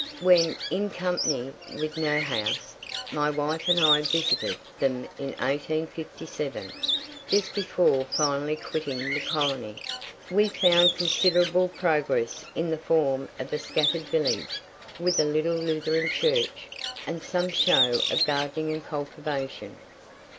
When, in company with Neuhauss, my wife and I visited them in 1857, just before finally quitting the colony, we found considerable progress in the form of a scattered village, with a little Lutheran church, and some show of gardening and cultivation.